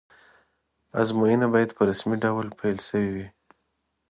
ازموینه باید په رسمي ډول پیل شوې وی.